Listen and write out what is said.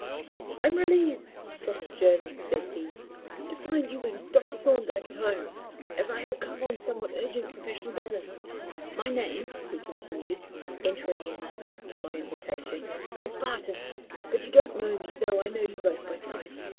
"I am relieved, Dr. Jervis," said he, "to find you and Dr. Thorndyke at home, as I have come on somewhat urgent professional business. My name," he continued, entering in response to my invitation, "is Barton, but you don't know me, though I know you both by sight.